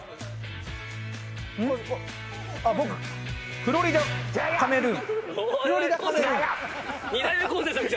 フロリダカメルーン。